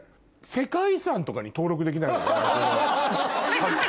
世界遺産とかに登録できないのかな？